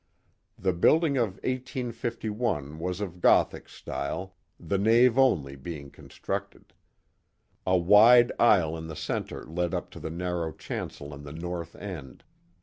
The building of 1 85 1 was of Gothic style, the nave only being constructed. A wide aisle in the centre led up to the narrow chancel in the north end.